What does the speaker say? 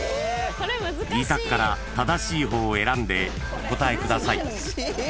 ［２択から正しい方を選んでお答えください］